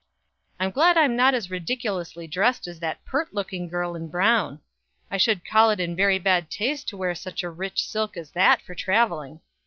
I'm glad I'm not as ridiculously dressed as that pert looking girl in brown. I should call it in very bad taste to wear such a rich silk as that for traveling.